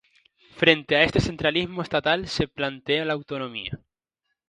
Frente a este centralismo estatal se plantea la autonomía.